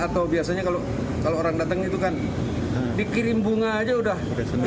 atau biasanya kalau orang datang itu kan dikirim bunga aja udah seneng